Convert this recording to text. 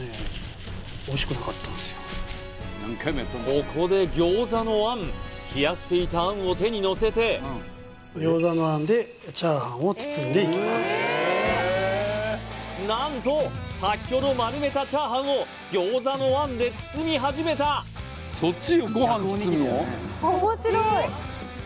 ここで餃子の餡冷やしていた餡を手にのせて何と先ほど丸めたチャーハンを餃子の餡で包み始めたそっち？